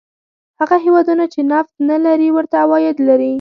هغه هېوادونه چې نفت نه لري ورته عواید لري.